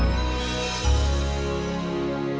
tunggu tunggu n tedxniva